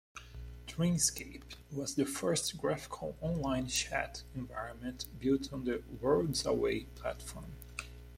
"Dreamscape" was the first graphical online chat environment built on the WorldsAway platform.